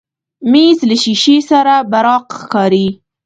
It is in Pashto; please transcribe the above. مېز له شیشې سره براق ښکاري.